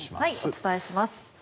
お伝えします。